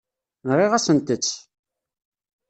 Nɣiɣ-asent-tt.